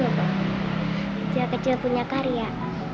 kecil kecil punya karya